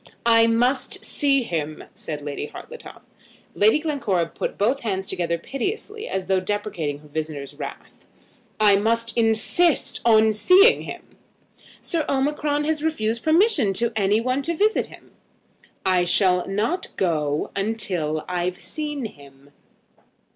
"I must see him," said Lady Hartletop. Lady Glencora put both her hands together piteously, as though deprecating her visitor's wrath. "I must insist on seeing him." "Sir Omicron has refused permission to any one to visit him." "I shall not go till I've seen him.